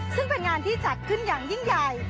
ซึ่งเป็นงานที่จัดขึ้นอย่างยิ่งใหญ่